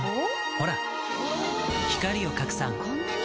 ほら光を拡散こんなに！